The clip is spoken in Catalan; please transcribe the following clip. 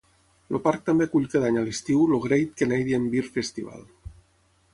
El parc també acull cada any a l'estiu el Great Canadian Beer Festival.